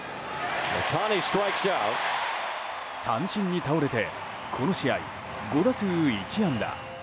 三振に倒れてこの試合、５打数１安打。